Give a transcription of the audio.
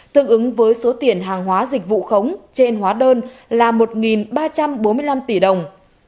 tương ứng với số tiền hàng hóa dịch vụ khống trên hóa đơn là một ba trăm bốn mươi năm tỷ đồng